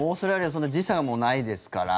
そんな時差もないですから。